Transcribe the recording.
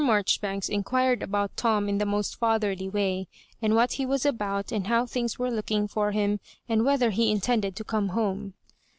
Marjoribanks inquired about Tom in the most &therly way, and what he was about, and how things were looking for him, and whether he intended to come home.